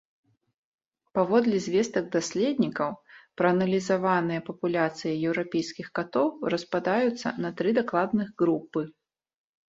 Паводле звестак даследнікаў, прааналізаваныя папуляцыі еўрапейскіх катоў распадаюцца на тры дакладных групы.